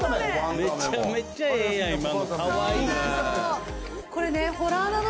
めちゃめちゃええやん、そうなの。